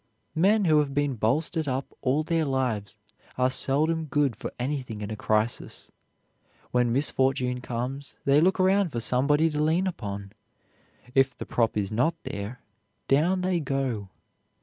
Men who have been bolstered up all their lives are seldom good for anything in a crisis. When misfortune comes, they look around for somebody to lean upon. It the prop is not there, down they go.